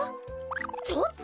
ちょっと！